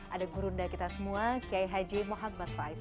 ada gurunda kita semua kiai haji muhammad faiz